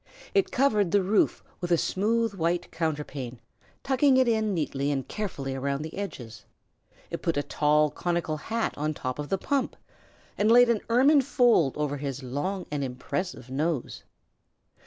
It covered the roof with a smooth white counterpane, tucking it in neatly and carefully round the edges; it put a tall conical cap on top of the pump, and laid an ermine fold over his long and impressive nose.